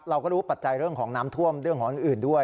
เราก็รู้ปัจจัยเรื่องของน้ำท่วมเรื่องของอื่นด้วย